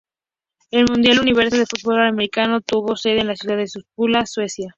El Mundial Universitario de Fútbol Americano tuvo sede en la ciudad de Uppsala, Suecia.